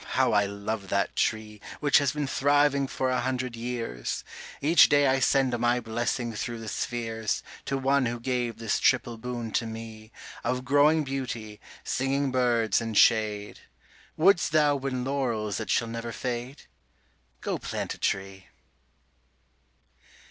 how I love that tree) Which has been thriving for a hundred years; Each day I send my blessing through the spheres To one who gave this triple boon to me, Of growing beauty, singing birds, and shade. Wouldst thou win laurels that shall never fade? Go plant a tree.